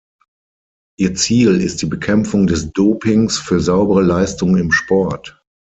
Ihr Ziel ist die Bekämpfung des Dopings für saubere Leistung im Sport.